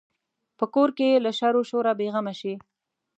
په کور کې یې له شر و شوره بې غمه شي.